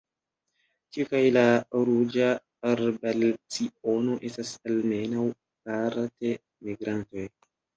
Tiu kaj la Ruĝa arbalciono estas almenaŭ parte migrantoj.